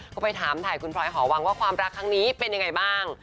ก็ไปถามถ่ายคุณพลอยหอวังว่าความรักครั้งนี้เป็นยังไงบ้าง